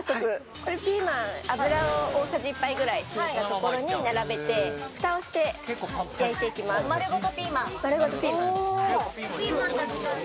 これ、ピーマン、油を大さじ１杯ぐらいひいた所に並べて、ふたをして焼いていきま丸ごと